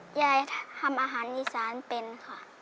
ยายทำอาหารอีสานเป็นค่ะ